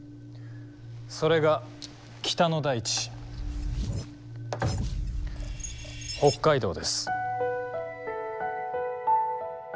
それが北の大地北海道です。